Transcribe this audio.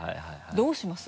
どうします？